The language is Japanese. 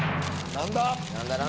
何だ？